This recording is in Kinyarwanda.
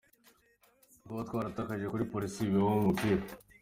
Kuba twaratakaje kuri Police bibaho mu mupira.